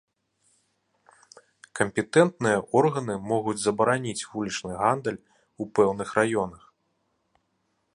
Кампетэнтныя органы могуць забараніць вулічны гандаль у пэўных раёнах.